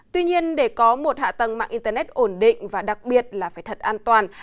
tuy nhiên để có một hạ tầng mạng internet ổn định và đặc biệt là phải thật an toàn